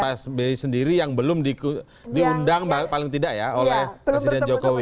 pak sby sendiri yang belum diundang paling tidak ya oleh presiden jokowi